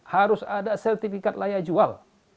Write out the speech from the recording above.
harus ada sertifikat layak jual